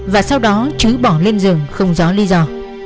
và sau đó chứ bỏ lên rừng không rõ lý do